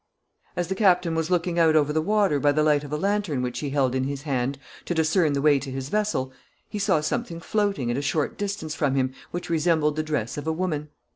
As the captain was looking out over the water by the light of a lantern which he held in his hand, to discern the way to his vessel, he saw something floating at a short distance from him which resembled the dress of a woman.